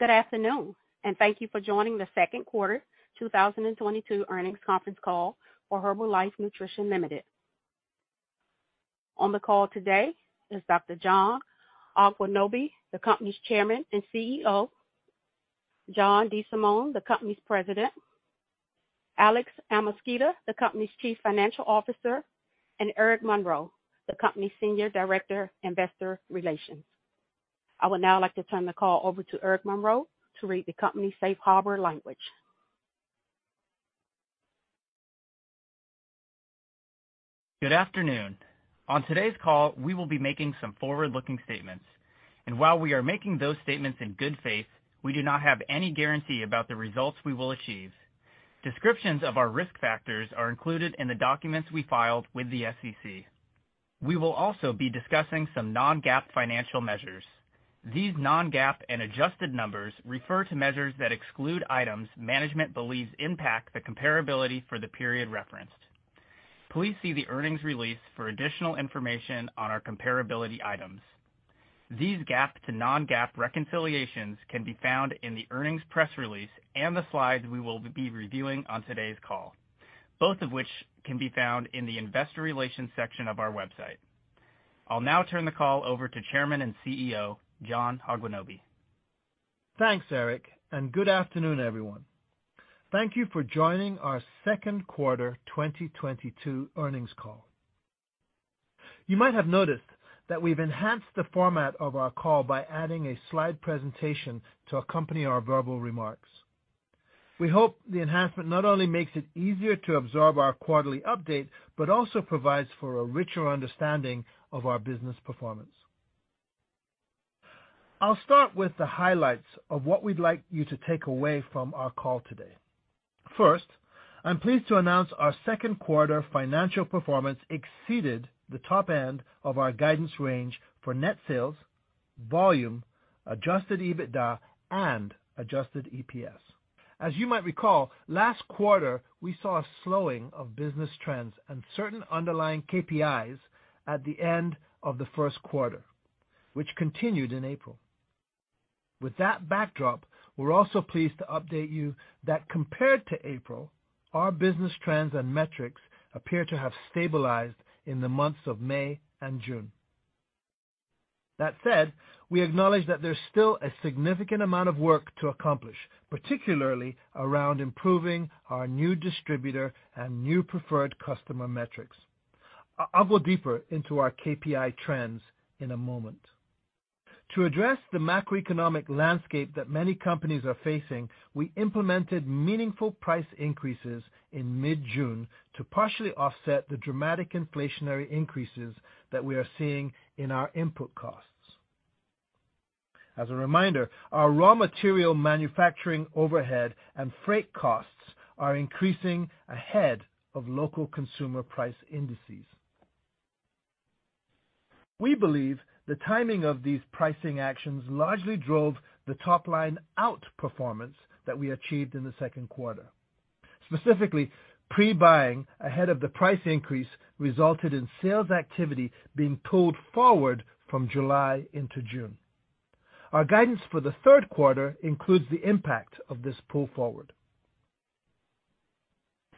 Good afternoon, and thank you for joining the second quarter 2022 earnings conference call for Herbalife Nutrition Ltd. On the call today is Dr. John Agwunobi, the company's Chairman and CEO, John DeSimone, the company's President, Alex Amezquita, the company's Chief Financial Officer, and Eric Monroe, the company's Senior Director, Investor Relations. I would now like to turn the call over to Eric Monroe to read the company's safe harbor language. Good afternoon. On today's call, we will be making some forward-looking statements. While we are making those statements in good faith, we do not have any guarantee about the results we will achieve. Descriptions of our risk factors are included in the documents we filed with the SEC. We will also be discussing some non-GAAP financial measures. These non-GAAP and adjusted numbers refer to measures that exclude items management believes impact the comparability for the period referenced. Please see the earnings release for additional information on our comparability items. These GAAP to non-GAAP reconciliations can be found in the earnings press release and the slides we will be reviewing on today's call, both of which can be found in the investor relations section of our website. I'll now turn the call over to Chairman and CEO, John Agwunobi. Thanks, Eric, and good afternoon, everyone. Thank you for joining our second quarter 2022 earnings call. You might have noticed that we've enhanced the format of our call by adding a slide presentation to accompany our verbal remarks. We hope the enhancement not only makes it easier to absorb our quarterly update, but also provides for a richer understanding of our business performance. I'll start with the highlights of what we'd like you to take away from our call today. First, I'm pleased to announce our second quarter financial performance exceeded the top end of our guidance range for net sales, volume, adjusted EBITDA, and adjusted EPS. As you might recall, last quarter, we saw a slowing of business trends and certain underlying KPIs at the end of the first quarter, which continued in April. With that backdrop, we're also pleased to update you that compared to April, our business trends and metrics appear to have stabilized in the months of May and June. That said, we acknowledge that there's still a significant amount of work to accomplish, particularly around improving our new distributor and new preferred customer metrics. I'll go deeper into our KPI trends in a moment. To address the macroeconomic landscape that many companies are facing, we implemented meaningful price increases in mid-June to partially offset the dramatic inflationary increases that we are seeing in our input costs. As a reminder, our raw material manufacturing overhead and freight costs are increasing ahead of local consumer price indices. We believe the timing of these pricing actions largely drove the top line out performance that we achieved in the second quarter. Specifically, pre-buying ahead of the price increase resulted in sales activity being pulled forward from July into June. Our guidance for the third quarter includes the impact of this pull forward.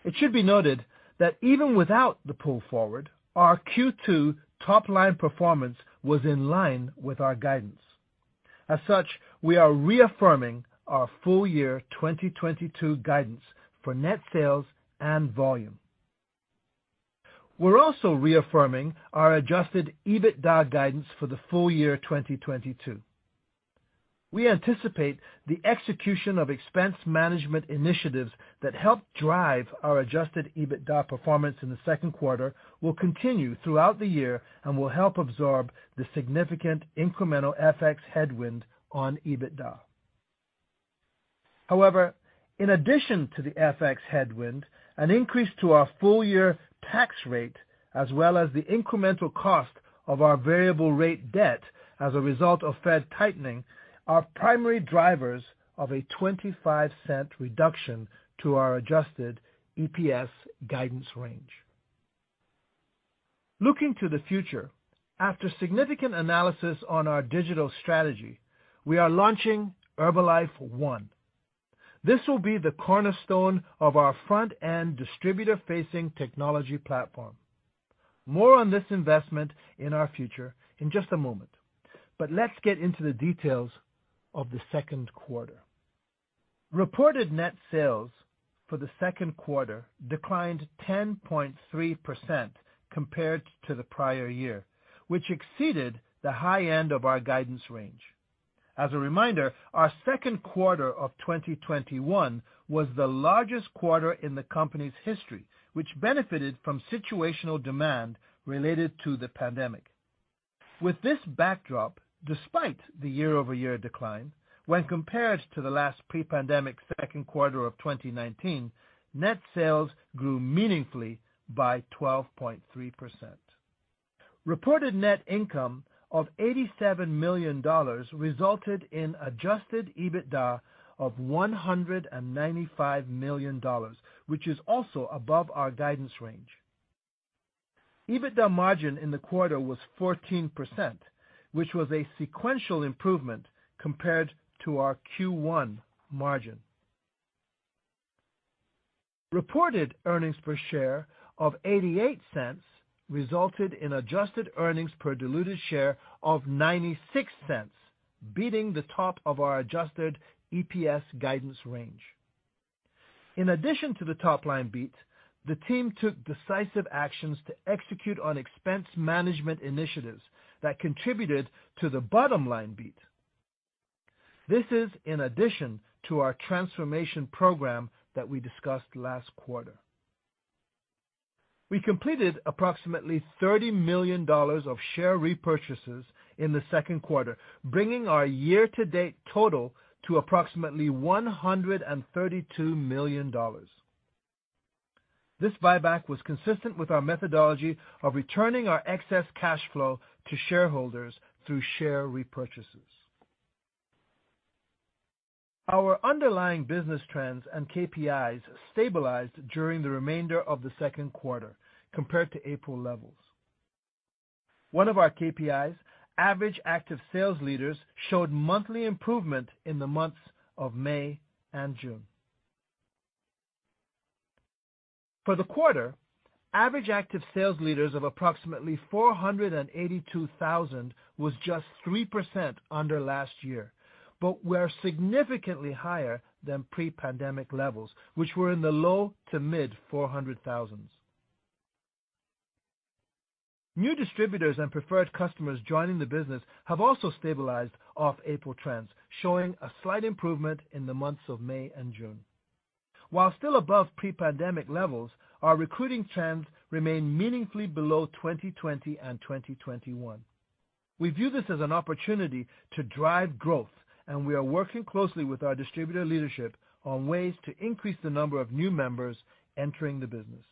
It should be noted that even without the pull forward, our Q2 top line performance was in line with our guidance. As such, we are reaffirming our full year 2022 guidance for net sales and volume. We're also reaffirming our adjusted EBITDA guidance for the full year 2022. We anticipate the execution of expense management initiatives that help drive our adjusted EBITDA performance in the second quarter will continue throughout the year and will help absorb the significant incremental FX headwind on EBITDA. However, in addition to the FX headwind, an increase to our full year tax rate, as well as the incremental cost of our variable rate debt as a result of Fed tightening, are primary drivers of a $0.25 reduction to our adjusted EPS guidance range. Looking to the future, after significant analysis on our digital strategy, we are launching Herbalife One. This will be the cornerstone of our front end distributor-facing technology platform. More on this investment in our future in just a moment. Let's get into the details of the second quarter. Reported net sales for the second quarter declined 10.3% compared to the prior year, which exceeded the high end of our guidance range. As a reminder, our second quarter of 2021 was the largest quarter in the company's history, which benefited from situational demand related to the pandemic. With this backdrop, despite the year-over-year decline, when compared to the last pre-pandemic second quarter of 2019, net sales grew meaningfully by 12.3%. Reported net income of $87 million resulted in adjusted EBITDA of $195 million, which is also above our guidance range. EBITDA margin in the quarter was 14%, which was a sequential improvement compared to our Q1 margin. Reported earnings per share of $0.88 resulted in adjusted earnings per diluted share of $0.96, beating the top of our adjusted EPS guidance range. In addition to the top line beat, the team took decisive actions to execute on expense management initiatives that contributed to the bottom line beat. This is in addition to our transformation program that we discussed last quarter. We completed approximately $30 million of share repurchases in the second quarter, bringing our year-to-date total to approximately $132 million. This buyback was consistent with our methodology of returning our excess cash flow to shareholders through share repurchases. Our underlying business trends and KPIs stabilized during the remainder of the second quarter compared to April levels. One of our KPIs, average active sales leaders, showed monthly improvement in the months of May and June. For the quarter, average active sales leaders of approximately 482,000 was just 3% under last year, but were significantly higher than pre-pandemic levels, which were in the low-to-mid-400,000. New distributors and preferred customers joining the business have also stabilized off April trends, showing a slight improvement in the months of May and June. While still above pre-pandemic levels, our recruiting trends remain meaningfully below 2020 and 2021. We view this as an opportunity to drive growth, and we are working closely with our distributor leadership on ways to increase the number of new members entering the business.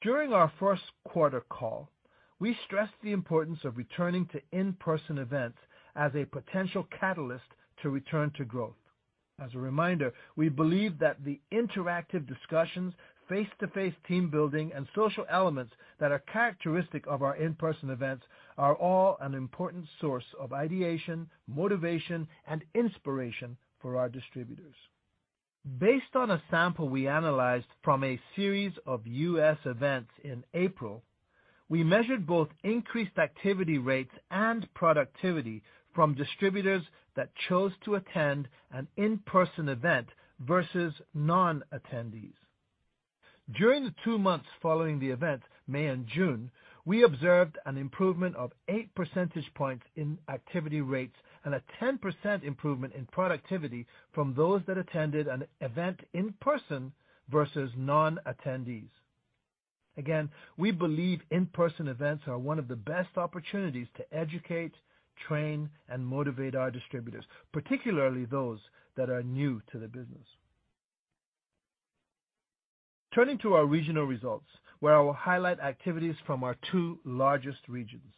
During our first quarter call, we stressed the importance of returning to in-person events as a potential catalyst to return to growth. As a reminder, we believe that the interactive discussions, face-to-face team building, and social elements that are characteristic of our in-person events are all an important source of ideation, motivation, and inspiration for our distributors. Based on a sample we analyzed from a series of U.S. events in April, we measured both increased activity rates and productivity from distributors that chose to attend an in-person event versus non-attendees. During the two months following the event, May and June, we observed an improvement of 8 percentage points in activity rates and a 10% improvement in productivity from those that attended an event in person versus non-attendees. Again, we believe in-person events are one of the best opportunities to educate, train, and motivate our distributors, particularly those that are new to the business. Turning to our regional results, where I will highlight activities from our two largest regions.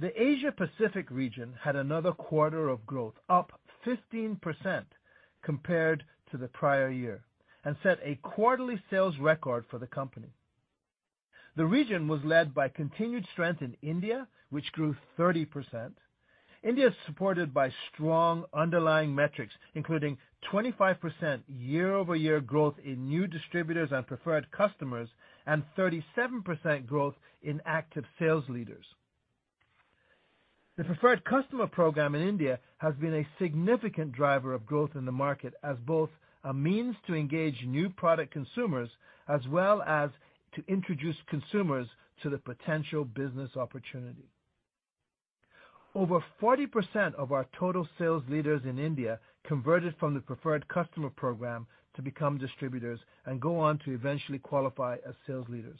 The Asia-Pacific region had another quarter of growth, up 15% compared to the prior year, and set a quarterly sales record for the company. The region was led by continued strength in India, which grew 30%. India is supported by strong underlying metrics, including 25% year-over-year growth in new distributors and preferred customers, and 37% growth in active sales leaders. The Preferred Customer Program in India has been a significant driver of growth in the market as both a means to engage new product consumers as well as to introduce consumers to the potential business opportunity. Over 40% of our total sales leaders in India converted from the Preferred Customer Program to become distributors and go on to eventually qualify as sales leaders.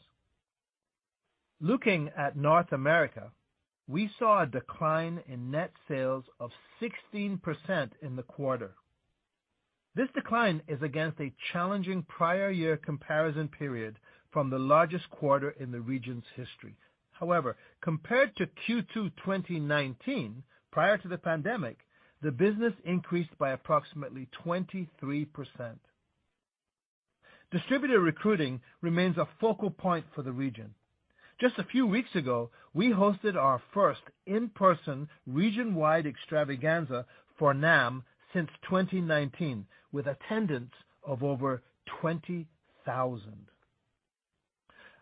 Looking at North America, we saw a decline in net sales of 16% in the quarter. This decline is against a challenging prior year comparison period from the largest quarter in the region's history. However, compared to Q2 2019, prior to the pandemic, the business increased by approximately 23%. Distributor recruiting remains a focal point for the region. Just a few weeks ago, we hosted our first in-person region-wide extravaganza for NAM since 2019, with attendance of over 20,000.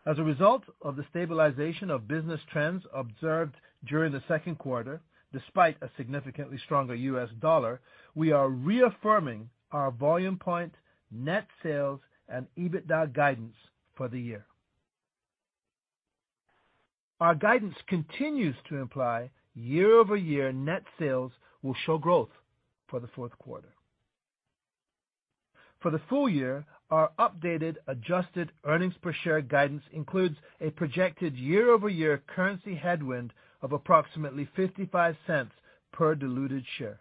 As a result of the stabilization of business trends observed during the second quarter, despite a significantly stronger US dollar, we are reaffirming our volume point, net sales, and EBITDA guidance for the year. Our guidance continues to imply year-over-year net sales will show growth for the fourth quarter. For the full year, our updated adjusted earnings per share guidance includes a projected year-over-year currency headwind of approximately $0.55 per diluted share,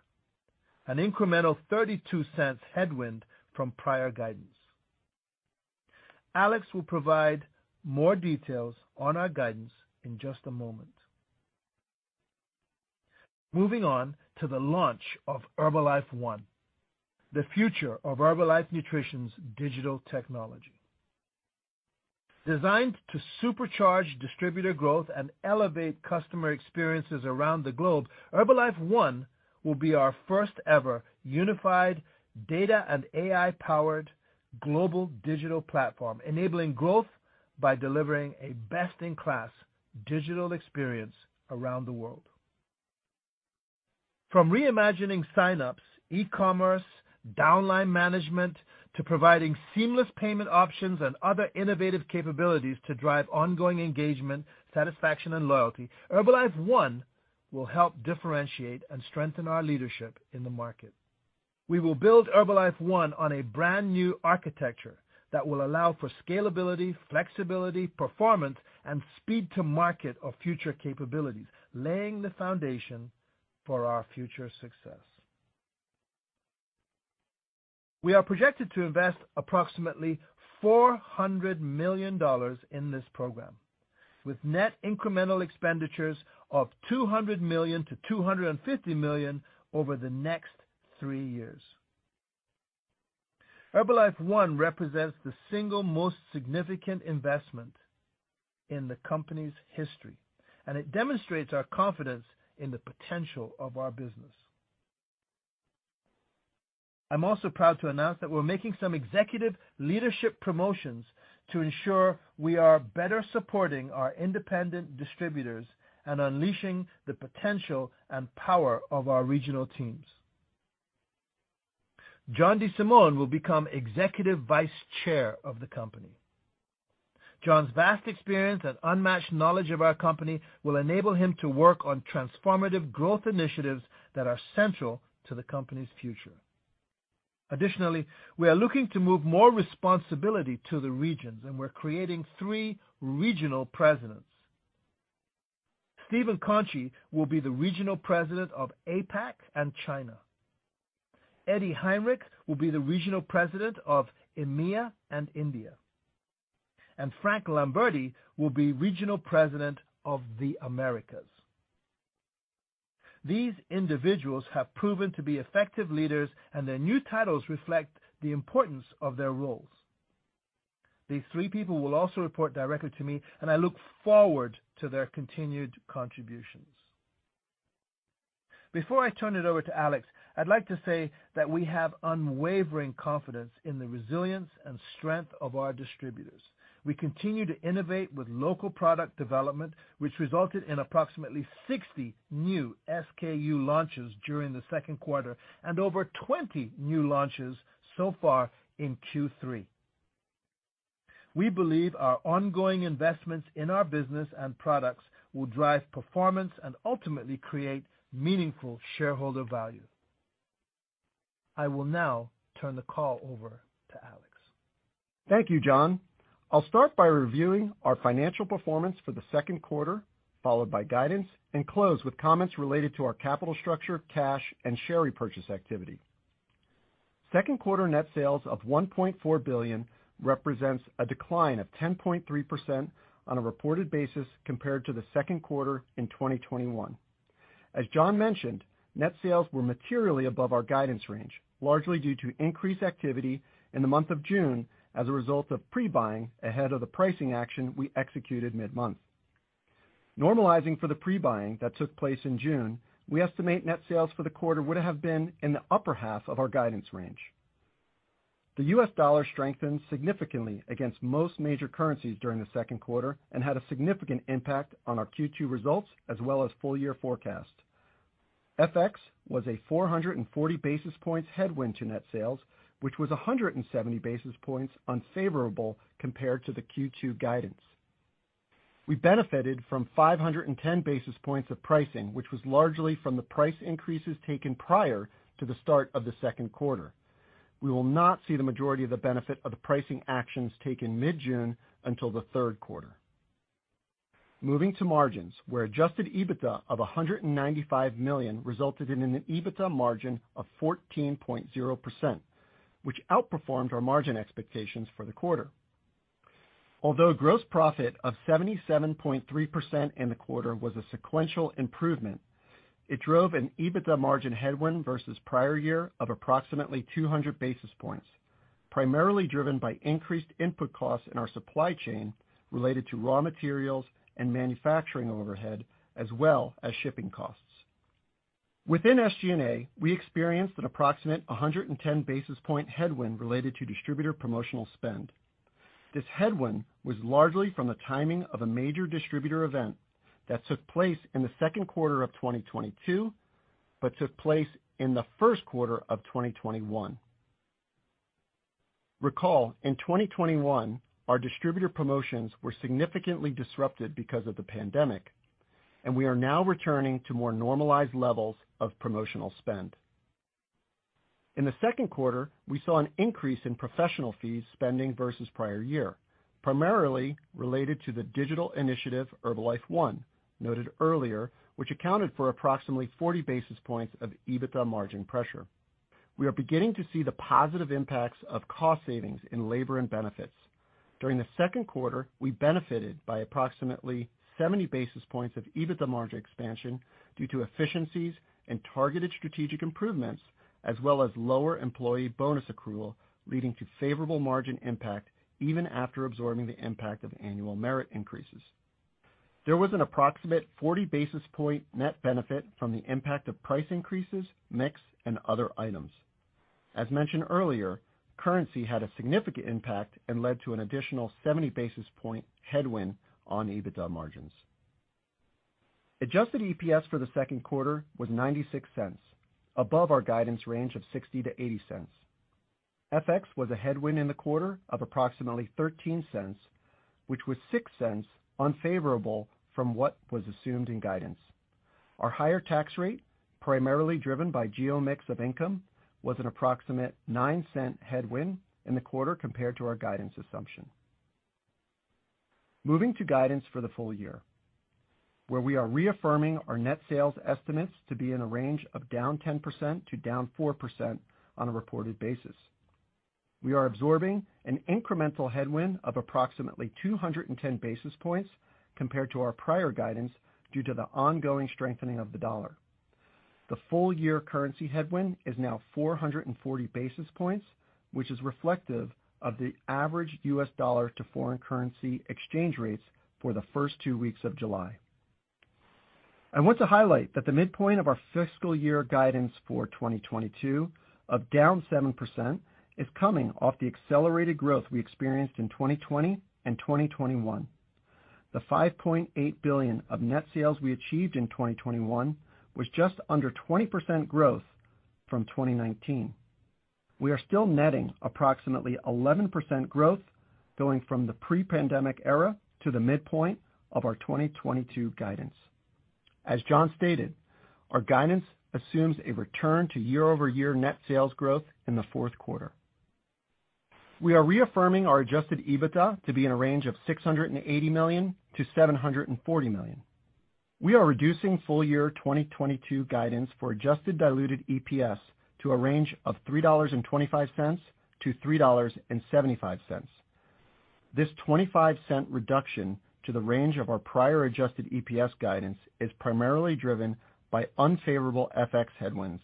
an incremental $0.32 headwind from prior guidance. Alex will provide more details on our guidance in just a moment. Moving on to the launch of Herbalife One, the future of Herbalife Nutrition's digital technology. Designed to supercharge distributor growth and elevate customer experiences around the globe, Herbalife One will be our first-ever unified data and AI-powered global digital platform, enabling growth by delivering a best-in-class digital experience around the world. From reimagining sign-ups, e-commerce, downline management, to providing seamless payment options and other innovative capabilities to drive ongoing engagement, satisfaction, and loyalty, Herbalife One will help differentiate and strengthen our leadership in the market. We will build Herbalife One on a brand-new architecture that will allow for scalability, flexibility, performance, and speed to market of future capabilities, laying the foundation for our future success. We are projected to invest approximately $400 million in this program, with net incremental expenditures of $200 million-$250 million over the next three years. Herbalife One represents the single most significant investment in the company's history, and it demonstrates our confidence in the potential of our business. I'm also proud to announce that we're making some executive leadership promotions to ensure we are better supporting our independent distributors and unleashing the potential and power of our regional teams. John DeSimone will become Executive Vice Chair of the company. John's vast experience and unmatched knowledge of our company will enable him to work on transformative growth initiatives that are central to the company's future. Additionally, we are looking to move more responsibility to the regions, and we're creating three regional presidents. Stephen Conchie will be the Regional President of APAC and China. Edi Hienrich will be the Regional President of EMEA and India. Frank Lamberti will be Regional President of the Americas. These individuals have proven to be effective leaders, and their new titles reflect the importance of their roles. These three people will also report directly to me, and I look forward to their continued contributions. Before I turn it over to Alex Amezquita, I'd like to say that we have unwavering confidence in the resilience and strength of our distributors. We continue to innovate with local product development, which resulted in approximately 60 new SKU launches during the second quarter and over 20 new launches so far in Q3. We believe our ongoing investments in our business and products will drive performance and ultimately create meaningful shareholder value. I will now turn the call over to Alex. Thank you, John. I'll start by reviewing our financial performance for the second quarter, followed by guidance and close with comments related to our capital structure, cash, and share repurchase activity. Second quarter net sales of $1.4 billion represents a decline of 10.3% on a reported basis compared to the second quarter in 2021. As John mentioned, net sales were materially above our guidance range, largely due to increased activity in the month of June as a result of pre-buying ahead of the pricing action we executed mid-month. Normalizing for the pre-buying that took place in June, we estimate net sales for the quarter would have been in the upper half of our guidance range. The US dollar strengthened significantly against most major currencies during the second quarter and had a significant impact on our Q2 results as well as full year forecast. FX was a 440 basis points headwind to net sales, which was a 170 basis points unfavorable compared to the Q2 guidance. We benefited from 510 basis points of pricing, which was largely from the price increases taken prior to the start of the second quarter. We will not see the majority of the benefit of the pricing actions taken mid-June until the third quarter. Moving to margins, where adjusted EBITDA of $195 million resulted in an EBITDA margin of 14.0%, which outperformed our margin expectations for the quarter. Although gross profit of 77.3% in the quarter was a sequential improvement, it drove an EBITDA margin headwind versus prior year of approximately 200 basis points, primarily driven by increased input costs in our supply chain related to raw materials and manufacturing overhead, as well as shipping costs. Within SG&A, we experienced an approximate 110 basis point headwind related to distributor promotional spend. This headwind was largely from the timing of a major distributor event that took place in the second quarter of 2022, but took place in the first quarter of 2021. Recall, in 2021, our distributor promotions were significantly disrupted because of the pandemic, and we are now returning to more normalized levels of promotional spend. In the second quarter, we saw an increase in professional fees spending versus prior year, primarily related to the digital initiative Herbalife One noted earlier, which accounted for approximately 40 basis points of EBITDA margin pressure. We are beginning to see the positive impacts of cost savings in labor and benefits. During the second quarter, we benefited by approximately 70 basis points of EBITDA margin expansion due to efficiencies and targeted strategic improvements, as well as lower employee bonus accrual, leading to favorable margin impact even after absorbing the impact of annual merit increases. There was an approximate 40 basis point net benefit from the impact of price increases, mix, and other items. As mentioned earlier, currency had a significant impact and led to an additional 70 basis point headwind on EBITDA margins. Adjusted EPS for the second quarter was $0.96, above our guidance range of $0.60-$0.80. FX was a headwind in the quarter of approximately $0.13, which was $0.06 unfavorable from what was assumed in guidance. Our higher tax rate, primarily driven by geo mix of income, was an approximate $0.09 headwind in the quarter compared to our guidance assumption. Moving to guidance for the full year, where we are reaffirming our net sales estimates to be in a range of down 10% to down 4% on a reported basis. We are absorbing an incremental headwind of approximately 210 basis points compared to our prior guidance due to the ongoing strengthening of the dollar. The full-year currency headwind is now 440 basis points, which is reflective of the average US dollar to foreign currency exchange rates for the first two weeks of July. I want to highlight that the midpoint of our fiscal year guidance for 2022 of down 7% is coming off the accelerated growth we experienced in 2020 and 2021. The $5.8 billion of net sales we achieved in 2021 was just under 20% growth from 2019. We are still netting approximately 11% growth going from the pre-pandemic era to the midpoint of our 2022 guidance. As John stated, our guidance assumes a return to year-over-year net sales growth in the fourth quarter. We are reaffirming our adjusted EBITDA to be in a range of $680 million-$740 million. We are reducing full-year 2022 guidance for adjusted diluted EPS to a range of $3.25-$3.75. This $0.25 reduction to the range of our prior adjusted EPS guidance is primarily driven by unfavorable FX headwinds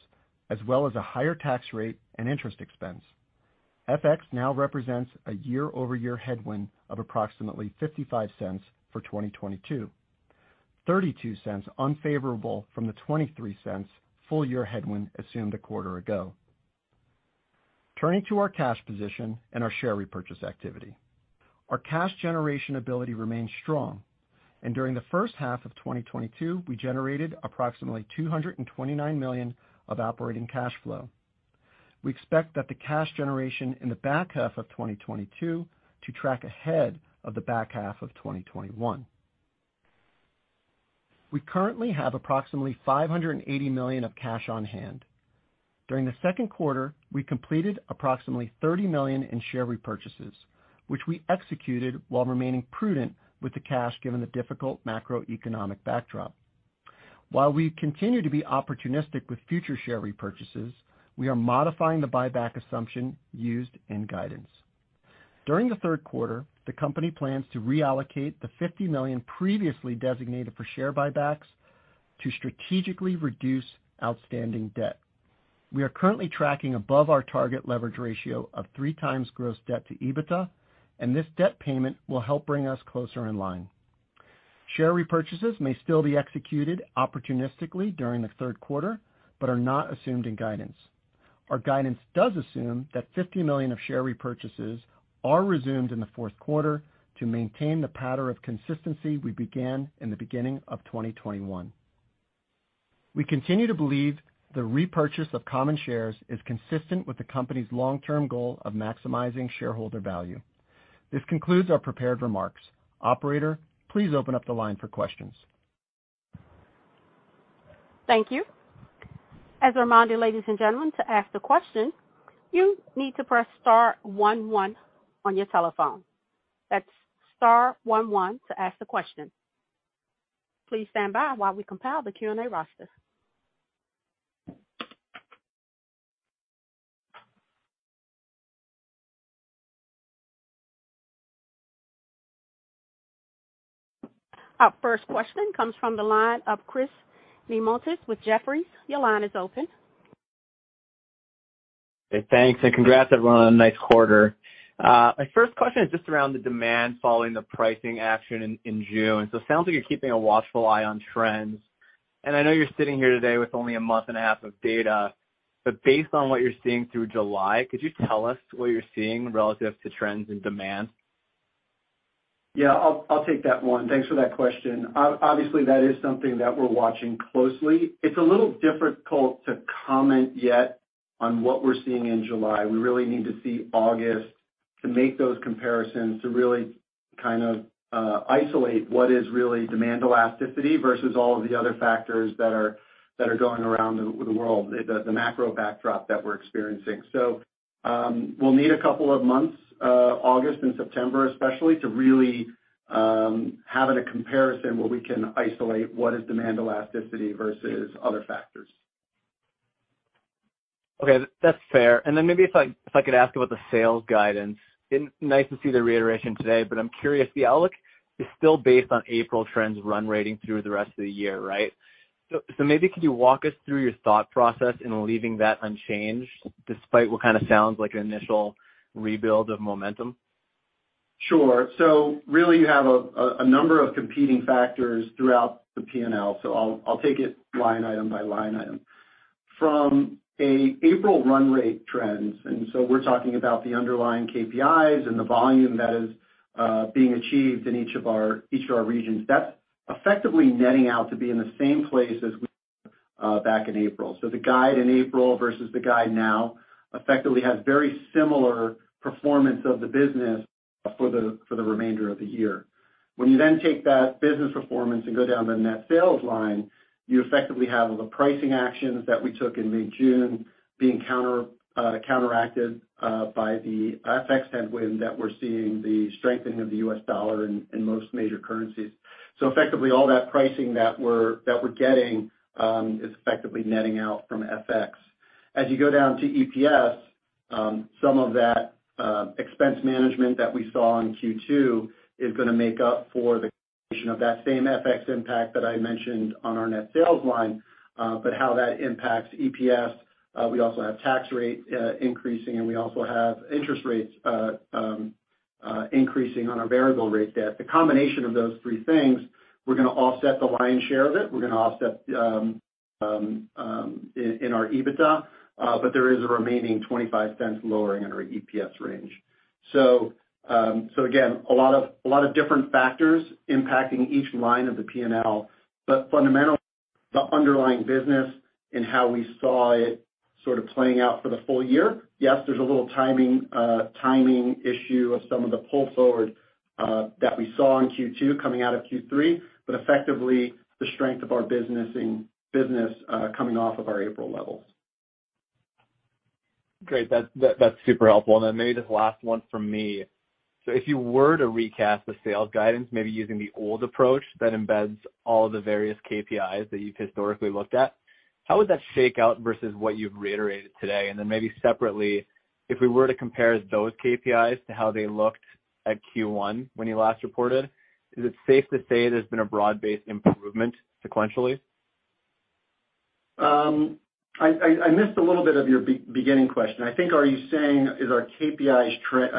as well as a higher tax rate and interest expense. FX now represents a year-over-year headwind of approximately $0.55 for 2022, $0.32 unfavorable from the $0.23 full-year headwind assumed a quarter ago. Turning to our cash position and our share repurchase activity. Our cash generation ability remains strong, and during the first half of 2022, we generated approximately $229 million of operating cash flow. We expect that the cash generation in the back half of 2022 to track ahead of the back half of 2021. We currently have approximately $580 million of cash on hand. During the second quarter, we completed approximately $30 million in share repurchases, which we executed while remaining prudent with the cash given the difficult macroeconomic backdrop. While we continue to be opportunistic with future share repurchases, we are modifying the buyback assumption used in guidance. During the third quarter, the company plans to reallocate the $50 million previously designated for share buybacks to strategically reduce outstanding debt. We are currently tracking above our target leverage ratio of 3x gross debt to EBITDA, and this debt payment will help bring us closer in line. Share repurchases may still be executed opportunistically during the third quarter, but are not assumed in guidance. Our guidance does assume that $50 million of share repurchases are resumed in the fourth quarter to maintain the pattern of consistency we began in the beginning of 2021. We continue to believe the repurchase of common shares is consistent with the company's long-term goal of maximizing shareholder value. This concludes our prepared remarks. Operator, please open up the line for questions. Thank you. As a reminder, ladies and gentlemen, to ask the question, you need to press star one one on your telephone. That's star one one to ask the question. Please stand by while we compile the Q&A roster. Our first question comes from the line of Chris Neamonitis with Jefferies. Your line is open. Hey, thanks, and congrats, everyone on a nice quarter. My first question is just around the demand following the pricing action in June. So it sounds like you're keeping a watchful eye on trends. I know you're sitting here today with only a month and a half of data. Based on what you're seeing through July, could you tell us what you're seeing relative to trends and demand? Yeah, I'll take that one. Thanks for that question. Obviously, that is something that we're watching closely. It's a little difficult to comment yet on what we're seeing in July. We really need to see August to make those comparisons to really kind of isolate what is really demand elasticity versus all of the other factors that are going around the world, the macro backdrop that we're experiencing. We'll need a couple of months, August and September especially, to really have a comparison where we can isolate what is demand elasticity versus other factors. Okay, that's fair. Then maybe if I could ask about the sales guidance. It's nice to see the reiteration today, but I'm curious, the outlook is still based on April trends run-rating through the rest of the year, right? So maybe could you walk us through your thought process in leaving that unchanged despite what kind of sounds like an initial rebuild of momentum? Sure. Really you have a number of competing factors throughout the P&L. I'll take it line item by line item. From an April run rate trends, we're talking about the underlying KPIs and the volume that is being achieved in each of our regions. That's effectively netting out to be in the same place as we back in April. The guide in April versus the guide now effectively has very similar performance of the business for the remainder of the year. When you then take that business performance and go down the net sales line, you effectively have the pricing actions that we took in mid-June being counteracted by the FX headwind that we're seeing, the strengthening of the US dollar in most major currencies. Effectively, all that pricing that we're getting is effectively netting out from FX. As you go down to EPS, some of that expense management that we saw in Q2 is gonna make up for the creation of that same FX impact that I mentioned on our net sales line, but how that impacts EPS, we also have tax rate increasing, and we also have interest rates increasing on our variable rate debt. The combination of those three things, we're gonna offset the lion's share of it. We're gonna offset in our EBITDA, but there is a remaining $0.25 lowering in our EPS range. again, a lot of different factors impacting each line of the P&L, but fundamentally, the underlying business and how we saw it sort of playing out for the full year. Yes, there's a little timing issue of some of the pull-forward that we saw in Q2 coming out of Q3, but effectively the strength of our business coming off of our April levels. Great. That's super helpful. Maybe just last one from me. If you were to recast the sales guidance, maybe using the old approach that embeds all the various KPIs that you've historically looked at, how would that shake out versus what you've reiterated today? Then maybe separately, if we were to compare those KPIs to how they looked at Q1 when you last reported, is it safe to say there's been a broad-based improvement sequentially? I missed a little bit of your beginning question. I think, are you saying, is our KPIs trend?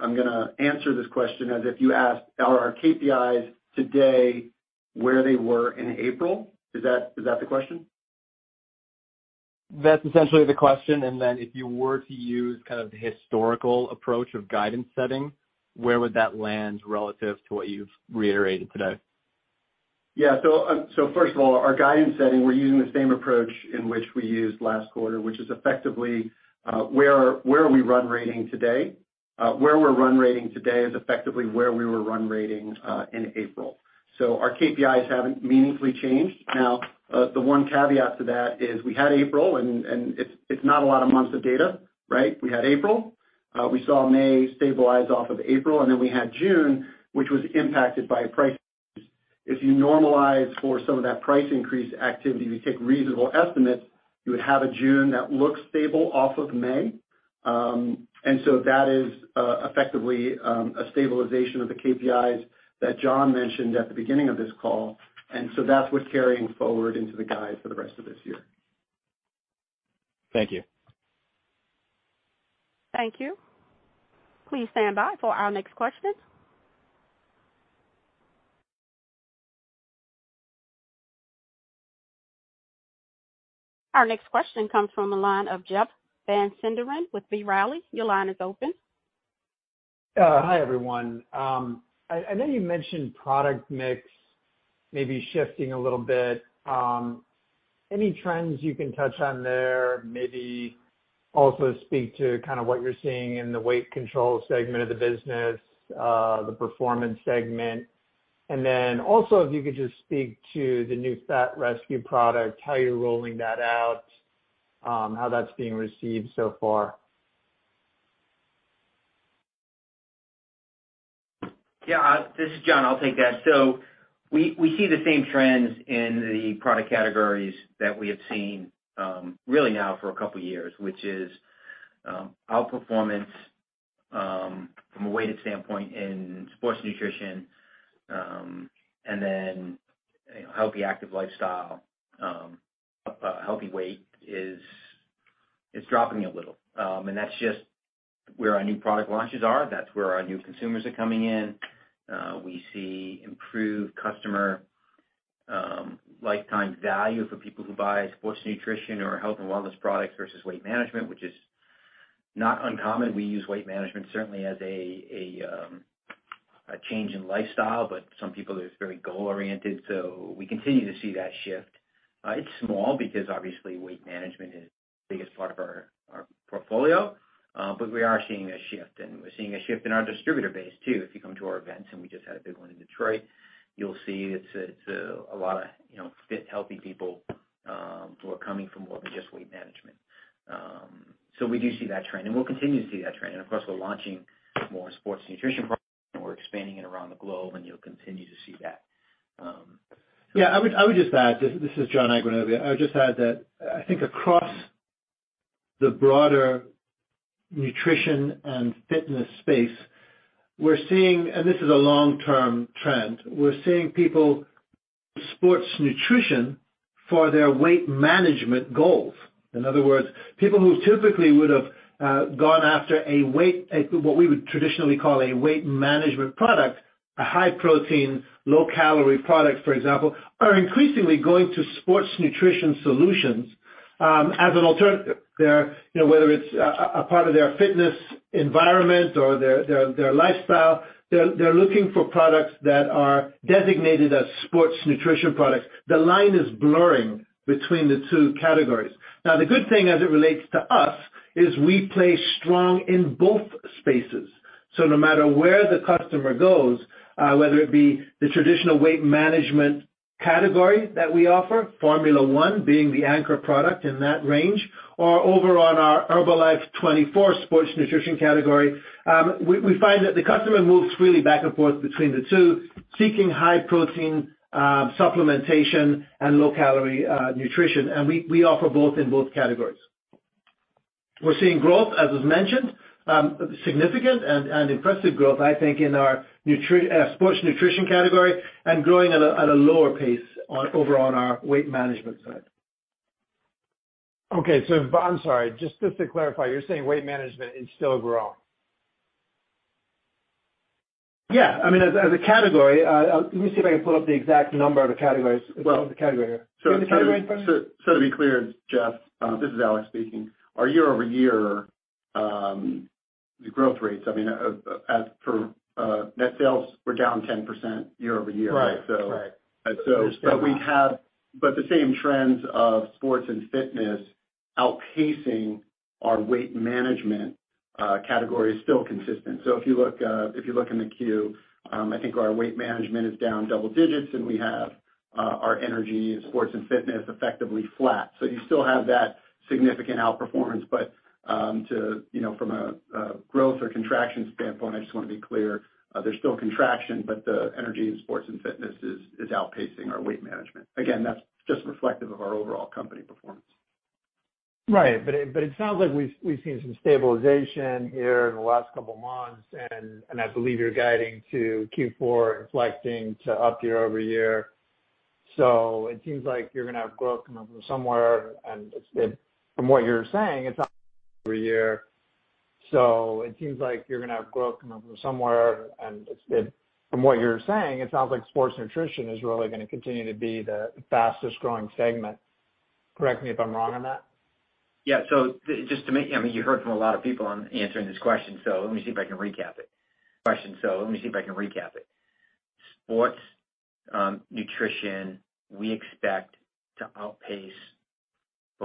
I'm gonna answer this question as if you asked, are our KPIs today where they were in April? Is that the question? That's essentially the question. If you were to use kind of the historical approach of guidance setting, where would that land relative to what you've reiterated today? Yeah. First of all, our guidance setting, we're using the same approach in which we used last quarter, which is effectively, where are we run rate today? Where we're run rate today is effectively where we were run rate in April. Our KPIs haven't meaningfully changed. Now, the one caveat to that is we had April, and it's not a lot of months of data, right? We had April. We saw May stabilize off of April, and then we had June, which was impacted by a price increase. If you normalize for some of that price increase activity, we take reasonable estimates, you would have a June that looks stable off of May. That is effectively a stabilization of the KPIs that John mentioned at the beginning of this call. That's what's carrying forward into the guide for the rest of this year. Thank you. Thank you. Please stand by for our next question. Our next question comes from the line of Jeff Van Sinderen with B. Riley. Your line is open. Hi, everyone. I know you mentioned product mix maybe shifting a little bit. Any trends you can touch on there? Maybe also speak to kind of what you're seeing in the weight control segment of the business, the performance segment. Also if you could just speak to the new Fat Release product, how you're rolling that out, how that's being received so far. Yeah. This is John. I'll take that. We see the same trends in the product categories that we have seen really now for a couple years, which is outperformance from a weighted standpoint in sports nutrition and then, you know, healthy active lifestyle. Healthy weight is dropping a little. That's just where our new product launches are. That's where our new consumers are coming in. We see improved customer lifetime value for people who buy sports nutrition or health and wellness products versus weight management, which is not uncommon. We use weight management certainly as a change in lifestyle, but some people are just very goal-oriented. We continue to see that shift. It's small because obviously weight management is the biggest part of our portfolio, but we are seeing a shift. We're seeing a shift in our distributor base too. If you come to our events, and we just had a big one in Detroit, you'll see it's a lot of, you know, fit, healthy people who are coming for more than just weight management. We do see that trend, and we'll continue to see that trend. Of course, we're launching more sports nutrition products, and we're expanding it around the globe, and you'll continue to see that. Yeah, I would just add, this is John Agwunobi. I would just add that I think across the broader nutrition and fitness space, we're seeing, and this is a long-term trend, we're seeing people turn to sports nutrition for their weight management goals. In other words, people who typically would've gone after a weight, what we would traditionally call a weight management product, a high protein, low calorie product, for example, are increasingly going to sports nutrition solutions as an alternative. They're, you know, whether it's a part of their fitness environment or their lifestyle, they're looking for products that are designated as sports nutrition products. The line is blurring between the two categories. Now, the good thing as it relates to us, is we play strong in both spaces. No matter where the customer goes, whether it be the traditional weight management category that we offer, Formula 1 being the anchor product in that range, or over on our Herbalife24 sports nutrition category, we find that the customer moves really back and forth between the two, seeking high protein supplementation and low calorie nutrition. We offer both in both categories. We're seeing growth, as was mentioned, significant and impressive growth, I think, in our sports nutrition category and growing at a lower pace over on our weight management side. Okay. I'm sorry, just to clarify, you're saying weight management is still growing? Yeah. I mean, as a category, let me see if I can pull up the exact number of the categories. The category. Do you have the category in front of you? To be clear, Jeff, this is Alex speaking. Our year-over-year, the growth rates, I mean, as for, net sales, we're down 10% year-over-year. Right. Right. The same trends of sports and fitness outpacing our weight management category is still consistent. If you look in the Q, I think our weight management is down double digits, and we have our energy in sports and fitness effectively flat. You still have that significant outperformance. From a growth or contraction standpoint, I just want to be clear, there's still contraction, but the energy in sports and fitness is outpacing our weight management. Again, that's just reflective of our overall company performance. Right. It sounds like we've seen some stabilization here in the last couple of months, and I believe you're guiding to Q4 inflecting to up year-over-year. It seems like you're gonna have growth coming from somewhere. From what you're saying, it's not year. It seems like you're gonna have growth coming from somewhere. From what you're saying, it sounds like sports nutrition is really gonna continue to be the fastest growing segment. Correct me if I'm wrong on that. Yeah. I mean, you heard from a lot of people on answering this question, let me see if I can recap it. Sports nutrition, we expect to outpace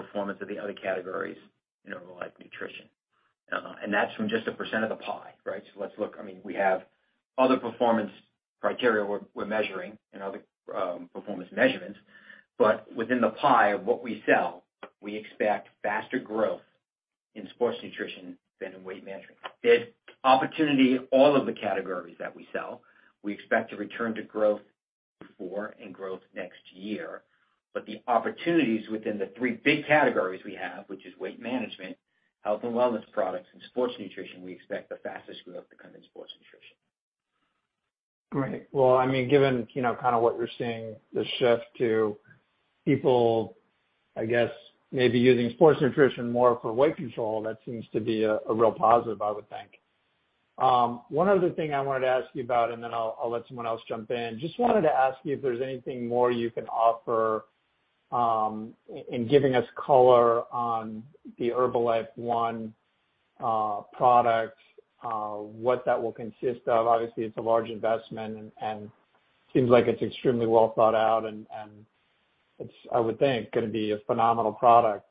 performance of the other categories in Herbalife Nutrition. That's from just a percent of the pie, right? Let's look. I mean, we have other performance criteria we're measuring and other performance measurements. Within the pie of what we sell, we expect faster growth in sports nutrition than in weight management. The opportunity, all of the categories that we sell, we expect to return to growth before and growth next year. The opportunities within the three big categories we have, which is weight management, health and wellness products, and sports nutrition, we expect the fastest growth to come in sports nutrition. Great. Well, I mean, given, you know, kind of what you're seeing, the shift to people, I guess, maybe using sports nutrition more for weight control, that seems to be a real positive, I would think. One other thing I wanted to ask you about, and then I'll let someone else jump in. Just wanted to ask you if there's anything more you can offer, in giving us color on the Herbalife One product, what that will consist of. Obviously, it's a large investment and seems like it's extremely well thought out and it's, I would think, gonna be a phenomenal product,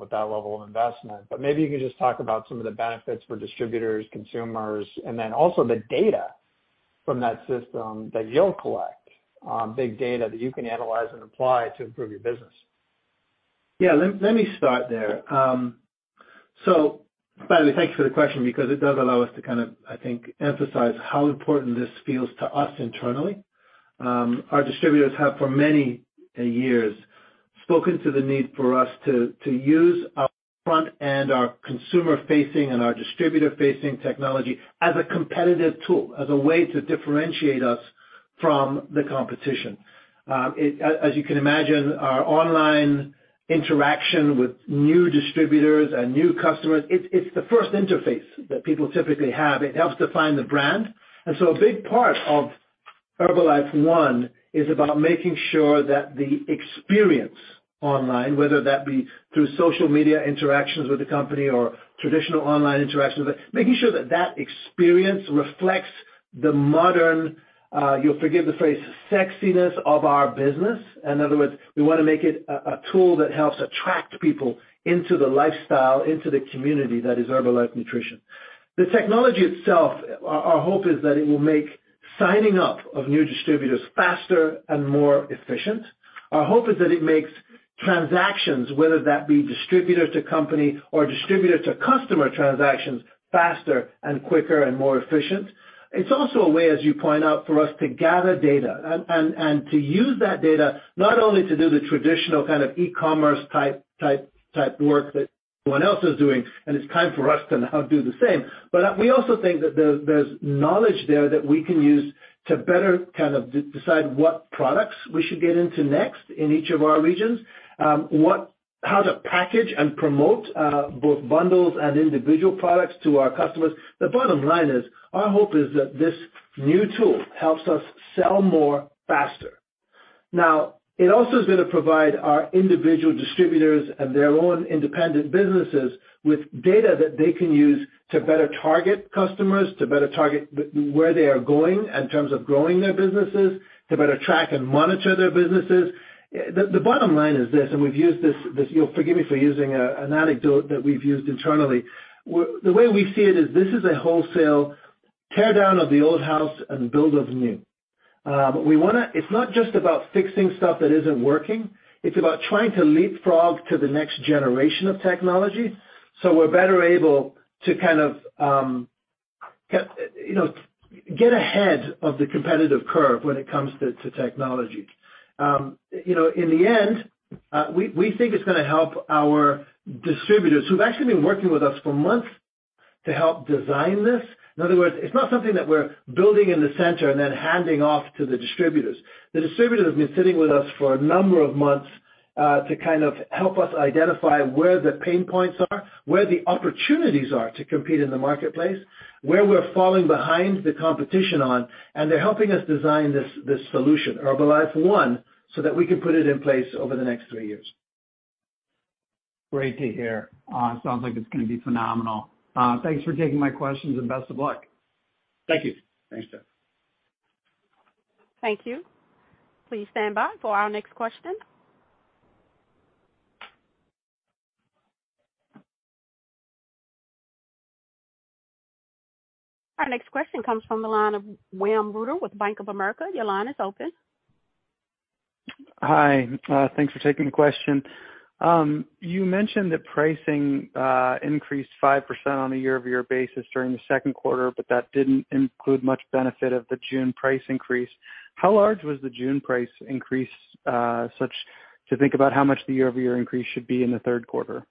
with that level of investment. Maybe you could just talk about some of the benefits for distributors, consumers, and then also the data from that system that you'll collect, big data that you can analyze and apply to improve your business. Yeah. Let me start there. So by the way, thanks for the question because it does allow us to kind of, I think, emphasize how important this feels to us internally. Our distributors have for many years spoken to the need for us to use our front and our consumer-facing and our distributor-facing technology as a competitive tool, as a way to differentiate us from the competition. As you can imagine, our online interaction with new distributors and new customers, it's the first interface that people typically have. It helps define the brand. A big part of Herbalife One is about making sure that the experience online, whether that be through social media interactions with the company or traditional online interactions, making sure that that experience reflects the modern, you'll forgive the phrase, sexiness of our business. In other words, we wanna make it a tool that helps attract people into the lifestyle, into the community that is Herbalife Nutrition. The technology itself, our hope is that it will make signing up of new distributors faster and more efficient. Our hope is that it makes transactions, whether that be distributors to company or distributor to customer transactions, faster and quicker and more efficient. It's also a way, as you point out, for us to gather data and to use that data not only to do the traditional kind of e-commerce type work that everyone else is doing, and it's time for us to now do the same. We also think that there's knowledge there that we can use to better kind of decide what products we should get into next in each of our regions. How to package and promote both bundles and individual products to our customers. The bottom line is, our hope is that this new tool helps us sell more faster. Now, it also is gonna provide our individual distributors and their own independent businesses with data that they can use to better target customers, to better target where they are going in terms of growing their businesses, to better track and monitor their businesses. The bottom line is this, and we've used this. You'll forgive me for using an anecdote that we've used internally. The way we see it is this is a wholesale tear-down of the old house and build of new. We wanna. It's not just about fixing stuff that isn't working. It's about trying to leapfrog to the next generation of technology, so we're better able to kind of, you know, get ahead of the competitive curve when it comes to technology. You know, in the end, we think it's gonna help our distributors who've actually been working with us for months to help design this. In other words, it's not something that we're building in the center and then handing off to the distributors. The distributors have been sitting with us for a number of months to kind of help us identify where the pain points are, where the opportunities are to compete in the marketplace, where we're falling behind the competition on, and they're helping us design this solution, Herbalife One, so that we can put it in place over the next three years. Great to hear. Sounds like it's gonna be phenomenal. Thanks for taking my questions and best of luck. Thank you. Thanks, Jeff. Thank you. Please stand by for our next question. Our next question comes from the line of William Reuter with Bank of America. Your line is open. Hi. Thanks for taking the question. You mentioned that pricing increased 5% on a year-over-year basis during the second quarter, but that didn't include much benefit of the June price increase. How large was the June price increase, so as to think about how much the year-over-year increase should be in the third quarter?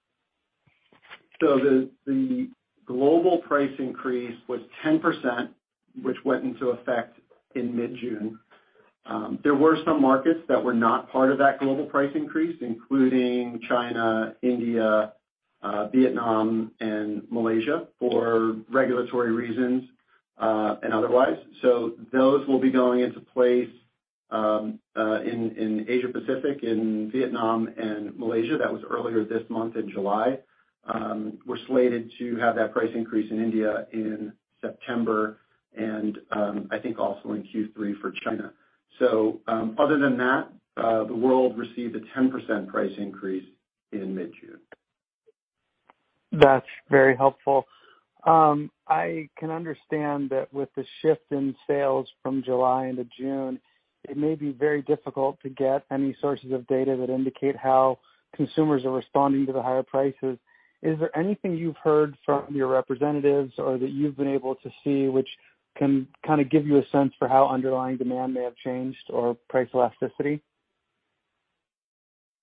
The global price increase was 10%, which went into effect in mid-June. There were some markets that were not part of that global price increase, including China, India, Vietnam, and Malaysia for regulatory reasons, and otherwise. Those will be going into place in Asia-Pacific, in Vietnam and Malaysia. That was earlier this month in July. We're slated to have that price increase in India in September and I think also in Q3 for China. Other than that, the world received a 10% price increase in mid-June. That's very helpful. I can understand that with the shift in sales from July into June, it may be very difficult to get any sources of data that indicate how consumers are responding to the higher prices. Is there anything you've heard from your representatives or that you've been able to see which can kinda give you a sense for how underlying demand may have changed or price elasticity?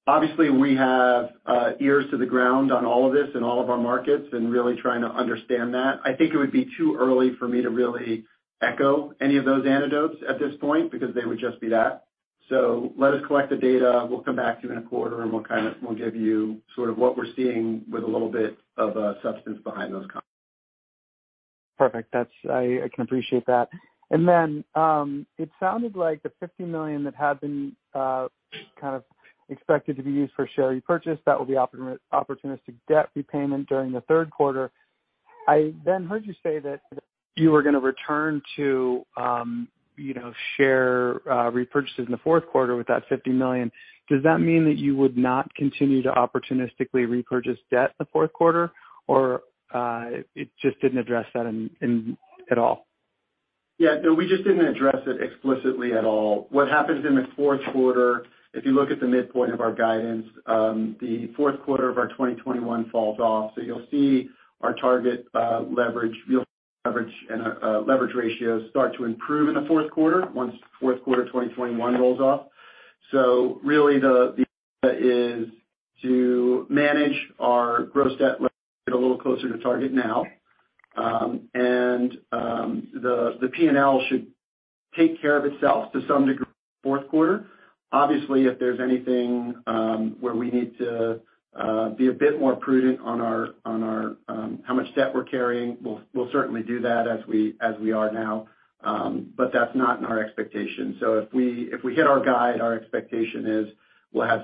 Obviously, we have ears to the ground on all of this in all of our markets and really trying to understand that. I think it would be too early for me to really echo any of those anecdotes at this point because they would just be that. Let us collect the data. We'll come back to you in a quarter, and we'll give you sort of what we're seeing with a little bit of substance behind those comments. Perfect. I can appreciate that. It sounded like the $50 million that had been kind of expected to be used for share repurchase, that will be opportunistic debt repayment during the third quarter. I then heard you say that you were gonna return to share repurchases in the fourth quarter with that $50 million. Does that mean that you would not continue to opportunistically repurchase debt in the fourth quarter? It just didn't address that in at all. Yeah. No, we just didn't address it explicitly at all. What happens in the fourth quarter, if you look at the midpoint of our guidance, the fourth quarter of our 2021 falls off. You'll see our target, leverage, real leverage and, leverage ratios start to improve in the fourth quarter once fourth quarter of 2021 rolls off. Really the data is to manage our gross debt a little closer to target now. The P&L should take care of itself to some degree fourth quarter. Obviously, if there's anything where we need to be a bit more prudent on our how much debt we're carrying, we'll certainly do that as we are now. That's not in our expectation. If we hit our guide, our expectation is we'll have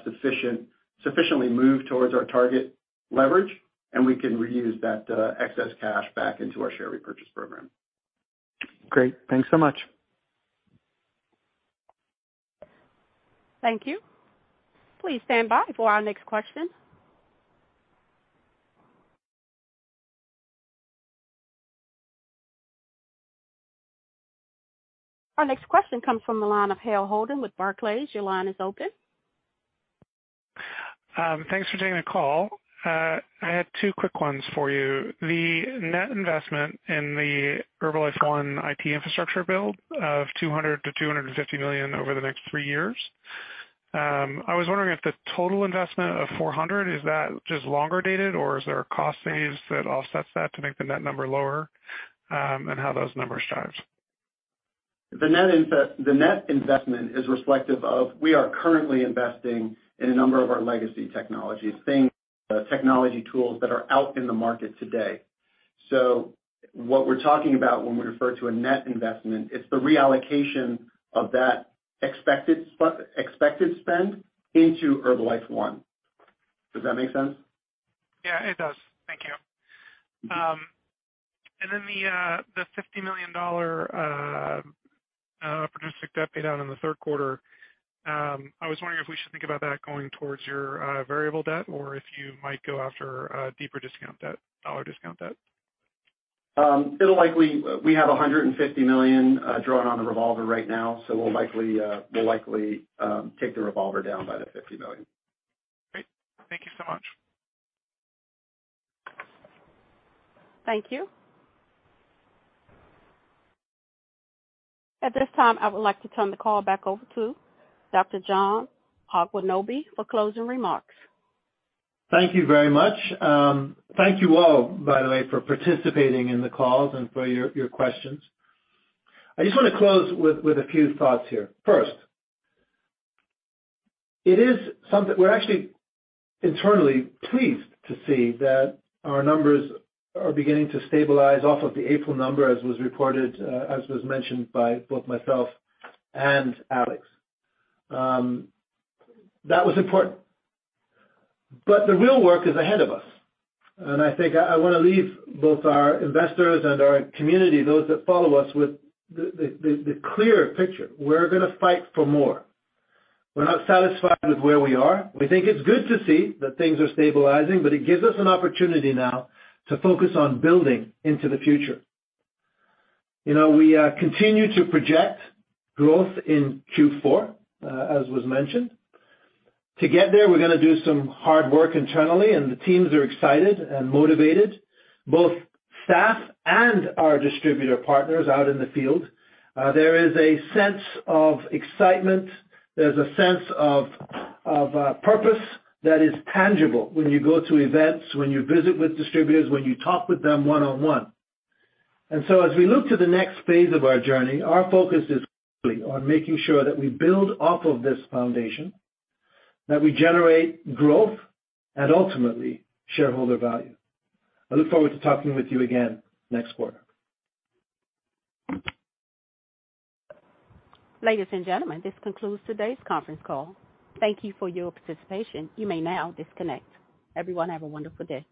sufficiently move towards our target leverage, and we can reuse that excess cash back into our share repurchase program. Great. Thanks so much. Thank you. Please stand by for our next question. Our next question comes from the line of Hale Holden with Barclays. Your line is open. Thanks for taking the call. I had two quick ones for you. The net investment in the Herbalife One IT infrastructure build of $200 million-$250 million over the next three years. I was wondering if the total investment of $400 million, is that just longer-dated, or is there a cost save that offsets that to make the net number lower, and how those numbers jive? The net investment is reflective of we are currently investing in a number of our legacy technologies, things, technology tools that are out in the market today. What we're talking about when we refer to a net investment, it's the reallocation of that expected spend into Herbalife One. Does that make sense? Yeah, it does. Thank you. The $50 million debt paid down in the third quarter. I was wondering if we should think about that going towards your variable debt or if you might go after a deeper discount debt, dollar discount debt. We have $150 million drawn on the revolver right now, so we'll likely take the revolver down by the $50 million. Great. Thank you so much. Thank you. At this time, I would like to turn the call back over to Dr. John Agwunobi for closing remarks. Thank you very much. Thank you all, by the way, for participating in the call and for your questions. I just wanna close with a few thoughts here. First, it is something we're actually internally pleased to see that our numbers are beginning to stabilize off of the April number as was reported, as was mentioned by both myself and Alex. That was important. The real work is ahead of us. I think I wanna leave both our investors and our community, those that follow us, with the clear picture. We're gonna fight for more. We're not satisfied with where we are. We think it's good to see that things are stabilizing, but it gives us an opportunity now to focus on building into the future. You know, we continue to project growth in Q4, as was mentioned. To get there, we're gonna do some hard work internally, and the teams are excited and motivated, both staff and our distributor partners out in the field. There is a sense of excitement. There's a sense of purpose that is tangible when you go to events, when you visit with distributors, when you talk with them one-on-one. As we look to the next phase of our journey, our focus is clearly on making sure that we build off of this foundation, that we generate growth and ultimately shareholder value. I look forward to talking with you again next quarter. Ladies and gentlemen, this concludes today's conference call. Thank you for your participation. You may now disconnect. Everyone have a wonderful day.